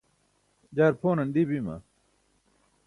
jaar pʰonan dii bima?